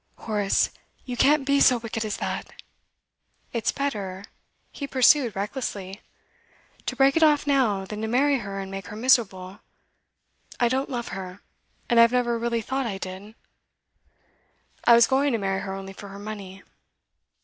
'Horace, you can't be so wicked as that!' 'It's better,' he pursued recklessly, 'to break it off now, than to marry her and make her miserable. I don't love her, and I have never really thought I did. I was going to marry her only for her money.